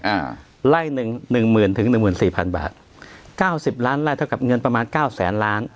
อ่าไล่หนึ่งหนึ่งหมื่นถึงหนึ่งหมื่นสี่พันบาทเก้าสิบล้านไล่เท่ากับเงินประมาณเก้าแสนล้าน